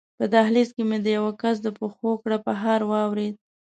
په دهلېز کې مې د یوه کس د پښو کړپهار واورېد.